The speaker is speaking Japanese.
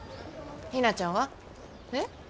ひなちゃんは？えっ？